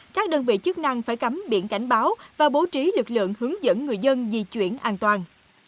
các đơn vị chức năng phải cắm biển cảnh báo và bố trí lực lượng hướng dẫn người dân di chuyển an toàn